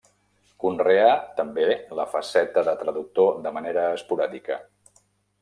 Conreà també la faceta de traductor de manera esporàdica.